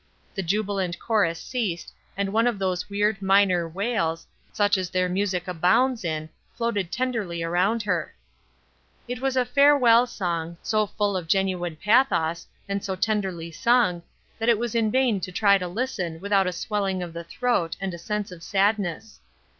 The jubilant chorus ceased and one of those weird minor wails, such as their music abounds in, floated tenderly around her. It was a farewell song, so full of genuine pathos, and so tenderly sung, that it was in vain to try to listen without a swelling of the throat and a sense of sadness.